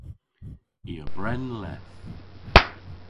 I a bren leth.